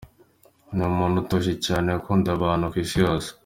Ni umuntu utuje cyane, ukundwa n’abana ku isi yose.